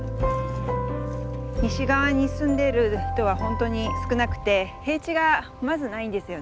西側に住んでる人は本当に少なくて平地がまずないんですよね。